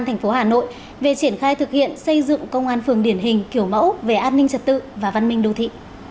thành phố hà nội về triển khai thực hiện xây dựng công an phường điển hình kiểu mẫu về an ninh trật tự và văn minh đô thị